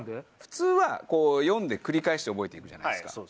普通は読んで繰り返して覚えて行くじゃないですか。